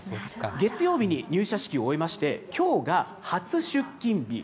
月曜日に入社式を終えまして、きょうが初出勤日。